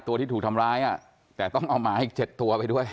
ตัวที่ถูกทำร้ายแต่ต้องเอาหมาอีก๗ตัวไปด้วย